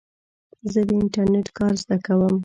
زه د انټرنېټ کار زده کوم.